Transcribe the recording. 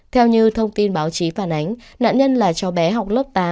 theo như thông tin báo chí phản ánh nạn nhân là cháu bé học lớp tám